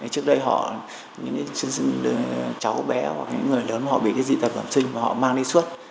trước đây họ những cháu bé hoặc những người lớn họ bị dị tật bẩm sinh và họ mang đi suốt